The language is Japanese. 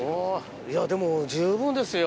いやでも十分ですよ。